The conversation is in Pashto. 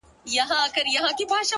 زما د زنده گۍ له هر يو درده سره مله وه;